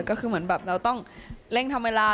ก็คือเหมือนแบบเราต้องเร่งทำเวลา